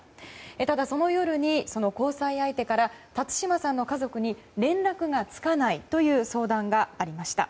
ただ、その夜に交際相手から辰島さんの家族に連絡がつかないという相談がありました。